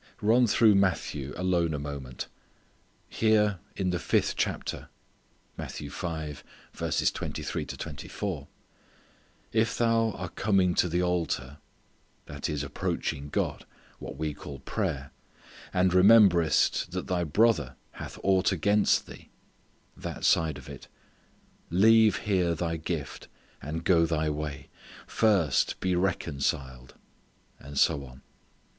Run through Matthew alone a moment. Here in the fifth chapter: "If thou are coming to the altar" that is approaching God; what we call prayer "and rememberest that thy brother hath aught against thee" that side of it "leave there thy gift and go thy way, first be reconciled," and so on.